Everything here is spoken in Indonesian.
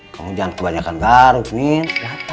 kamu jangan kebanyakan garuk nien